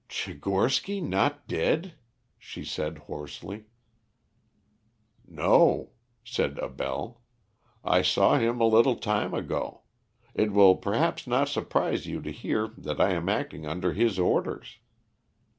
"Tchigorsky not dead?" she said hoarsely. "No," said Abell. "I saw him a little time ago. It will perhaps not surprise you to hear that I am acting under his orders."